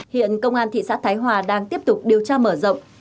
hiện công an thị xã thái hòa đang tiếp tục điều tra mở rộng